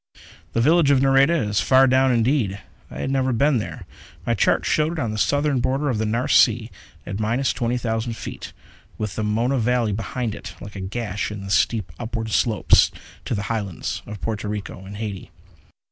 The village of Nareda is far down indeed. I had never been there. My charts showed it on the southern border of the Nares Sea, at minus twenty thousand feet, with the Mona Valley behind it like a gash in the steep upward slopes to the Highlands of Porto Rico and Haiti.